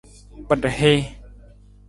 Kpada hii.